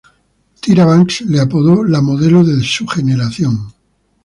Tyra Banks le apodó "la modelo de su generación".